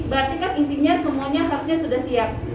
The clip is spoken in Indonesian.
berarti kan intinya semuanya harusnya sudah siap